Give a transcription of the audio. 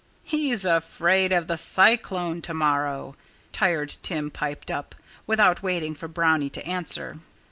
"He's afraid of the cyclone to morrow," Tired Tim piped up, without waiting for Brownie to answer.